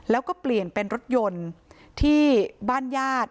แล้วก็เปลี่ยนเป็นรถยนต์ที่บ้านญาติ